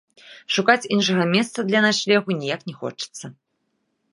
Шукаць іншага месца для начлегу неяк не хочацца.